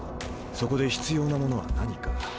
そこで必要なものは何か？